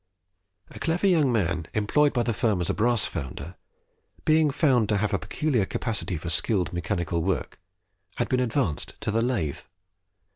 A clever young man employed by the firm as a brass founder, being found to have a peculiar capacity for skilled mechanical work, had been advanced to the lathe.